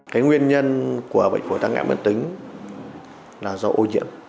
cái nguyên nhân của bệnh phổi tăng nghẹn mãn tính là do ô nhiễm